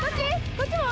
こっちも？